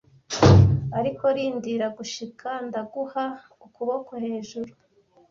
Ariko rindira gushika ndaguha ukuboko hejuru.